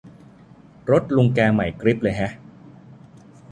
รถลุงแกใหม่กริ๊บเลยแฮะ